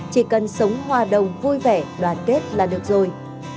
chỉ cần sống hòa đồng vui vẻ đoàn kết là được rồi